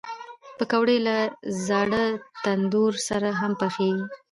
پکورې له زاړه تندور سره هم پخېږي